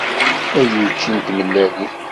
Ay učči n tmellalin.